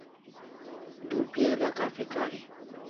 Du piala kaffi kari